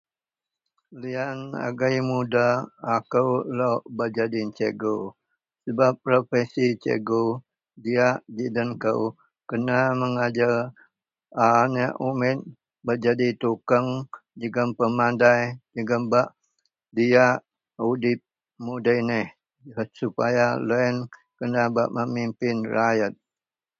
Liyan agei mudak akou lok bak nyadin cikgu sebap profesi cikgu diyak ji den kou kena mengajer aneak umit bak nyadi tukeng jegem pemandai jegem bak diyak udip mudei neh sepaya loyen kena bak memimpin rakyat.